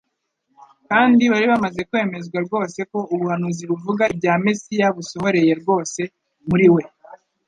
kandi bari bamaze kwemezwa rwose ko ubuhanuzi buvuga ibya Mesiya busohoreye rwose muri we.